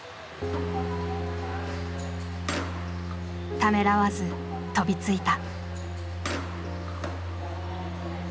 ためらわず飛びついた。